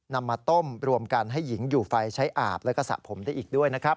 นำมาต้มรวมกันให้หญิงอยู่ไฟใช้อาบแล้วก็สระผมได้อีกด้วยนะครับ